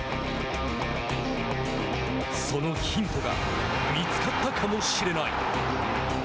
そのヒントが見つかったかもしれない。